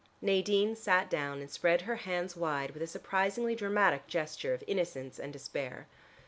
Nadine sat down and spread her hands wide with a surprisingly dramatic gesture of innocence and despair.